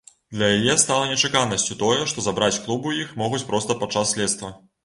Для яе стала нечаканасцю тое, што забраць клуб у іх могуць проста падчас следства.